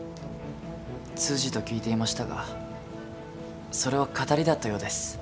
通詞と聞いていましたがそれは騙りだったようです。